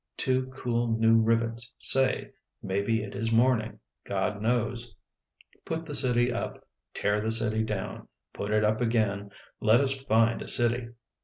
Two cool new rivets say, " Maybe it is morning," " God knows." Put the city up ; tear the city down ; put it up again; let us find a city.